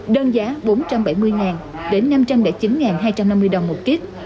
nâng giá bốn trăm bảy mươi đến năm trăm linh chín hai trăm năm mươi đồng một kiếp